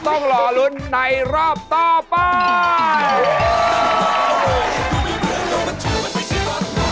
ต้องรอลุ้นในรอบต่อไป